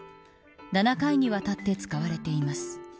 ７回にわたって使われています。